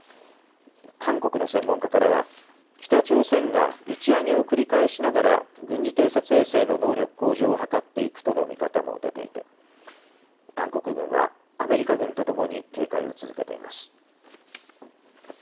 韓国の専門家からは北朝鮮が打ち上げを繰り返しながら軍事偵察衛星の能力向上を図っていくとの見方も出ていて韓国軍はアメリカ軍とともに警戒を続けています。